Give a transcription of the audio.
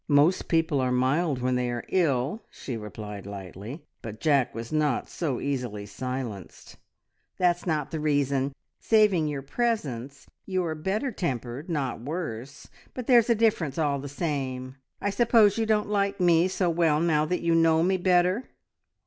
Most people are mild when they are ill," she replied lightly, but Jack was not so easily silenced. "That's not the reason. Saving your presence, you are better tempered, not worse, but there's a difference all the same. I suppose you don't like me so well now that you know me better?"